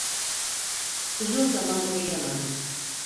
Uzun zaman uyuyamadım.